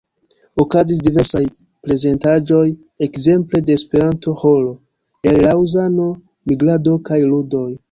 Okazis diversaj prezentaĵoj ekzemple de esperanto-ĥoro el Laŭzano, migrado kaj ludoj.